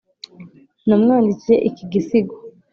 namwandikiye iki gisigo,